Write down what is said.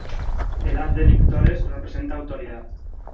El haz de lictores representa autoridad.